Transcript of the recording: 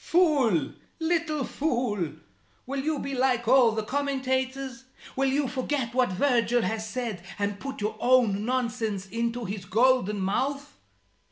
"Fool little fool! Will you be like all the commentators? Will you forget what Virgil has said and put your own nonsense into his golden mouth?"